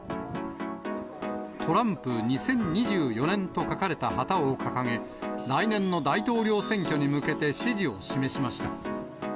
２０２４年と書かれた旗を掲げ、来年の大統領選挙に向けて支持を示しました。